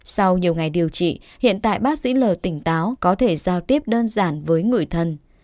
sau nhiều ngày điều trị hiện tại bác sĩ l tỉnh táo có thể giao tiếp đơn giản với người thân